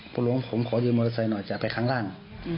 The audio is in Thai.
หลวงผมขอยืมมอเตอร์ไซค์หน่อยจะไปข้างล่าง